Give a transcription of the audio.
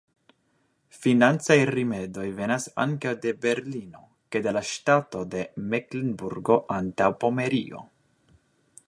Financaj rimedoj venas ankaŭ de Berlino kaj de la ŝtato de Meklenburgo-Antaŭpomerio.